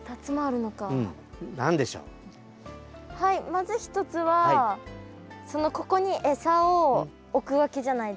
まず１つはここに餌を置くわけじゃないですか。